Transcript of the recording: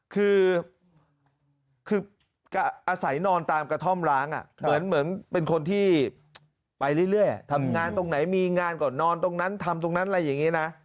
คืออาศัยนอนตามกระท่อมร้างเหมือนเป็นคนที่ไปเรื่อยทำงานตรงไหนมีงานก่อนนอนตรงนั้นทำตรงนั้นอะไรอย่างนี้นะ